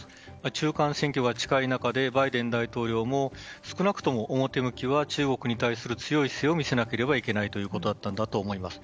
中間選挙が近い中でバイデン大統領も少なくとも表向きは中国に対する強い姿勢を見せなければいけないということだったんだと思います。